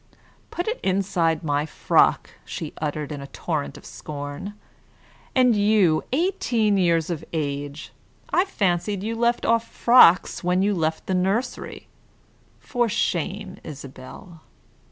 "Put it inside my frock!" she uttered in a torrent of scorn. "And you eighteen years of age! I fancied you left off 'frocks' when you left the nursery. For shame, Isabel!"